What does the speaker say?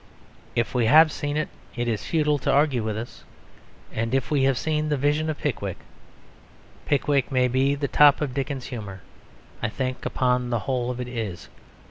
If we have seen it, it is futile to argue with us; and we have seen the vision of Pickwick. Pickwick may be the top of Dickens's humour; I think upon the whole it is.